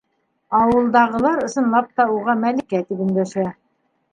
Ә ауылдағылар, ысынлап та, уға Мәликә тип өндәшә.